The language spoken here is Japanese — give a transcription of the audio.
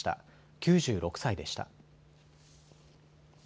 ９６歳でした。